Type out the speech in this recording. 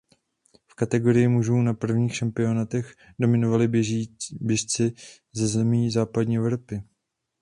V kategorii mužů na prvních šampionátech dominovali běžci z zemí západní Evropy.